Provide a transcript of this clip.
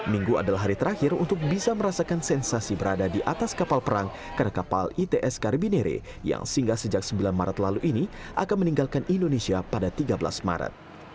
minggu adalah hari terakhir untuk bisa merasakan sensasi berada di atas kapal perang karena kapal its karbinere yang singgah sejak sembilan maret lalu ini akan meninggalkan indonesia pada tiga belas maret